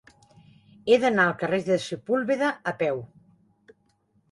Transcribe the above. He d'anar al carrer de Sepúlveda a peu.